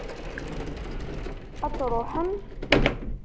Ad truḥem?